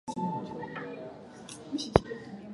Na sio peke yake pia Shii ya Guiana